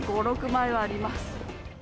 ５、６枚はあります。